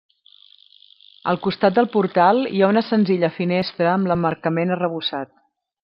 Al costat del portal hi ha una senzilla finestra amb l'emmarcament arrebossat.